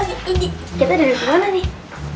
eh kita dari dimana nih